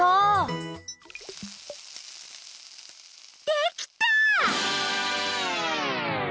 できた！